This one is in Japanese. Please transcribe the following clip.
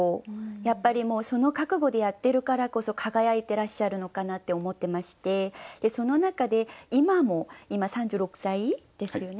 やっぱりその覚悟でやってるからこそ輝いてらっしゃるのかなって思ってましてその中で今も今３６歳ですよね。